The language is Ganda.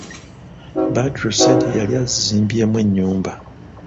Badru ssente yali azizimbyemu ennyumba.